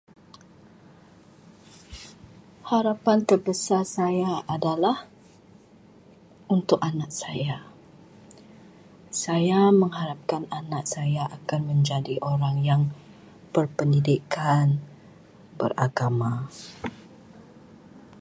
Harapan terbesar saya adalah untuk anak saya. Saya mengharapkan anak saya akan menjadi orang yang berpendidikan, beragama.